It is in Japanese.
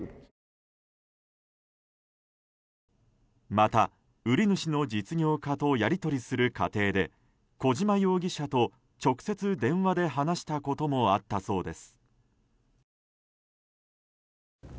また、売り主の実業家とやり取りする過程で小島容疑者と直接、電話で話したこともあったそうです。